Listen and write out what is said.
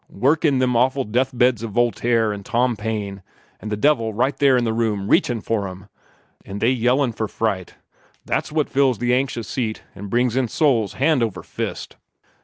Work in them awful deathbeds of Voltaire an' Tom Paine, with the Devil right there in the room, reachin' for 'em, an' they yellin' for fright; that's what fills the anxious seat an' brings in souls hand over fist."